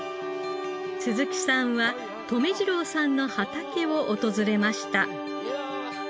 鈴木さんは留次郎さんの畑を訪れました。